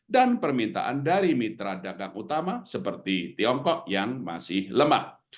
dan permintaan dari mitra dagang utama seperti tiongkok yang masih lemah